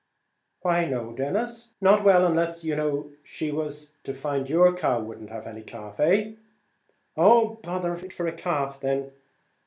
"Why no, Denis, not well; unless, you know, she was to find your cow would not have any calf; eh?" "Oh, bother it for a calf then!"